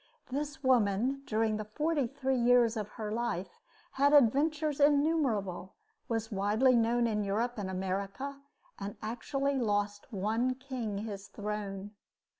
This woman during the forty three years of her life had adventures innumerable, was widely known in Europe and America, and actually lost one king his throne.